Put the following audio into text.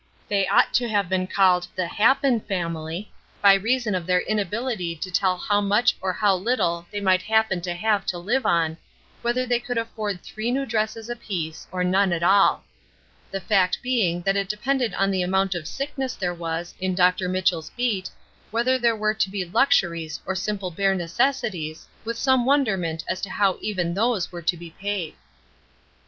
They ought to have been called "the happen family," by reason of their inability to tell how much or how little they might happen to have to live on, whether they could afford three new dresses apiece or none at all. The fact being that it depended on the amount of sickness there was in Dr. Mitchell's beat whether there were to be luxuries or simple bare necessities, with some wonderment as to how even those were to be paid.